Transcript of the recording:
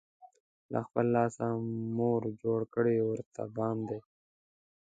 له خپل لاسه، مور جوړ کړی ورته بام دی